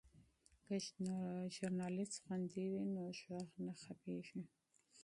که ژورنالیست خوندي وي نو غږ نه خپیږي.